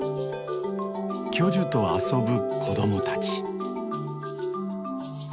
巨樹と遊ぶ子供たち。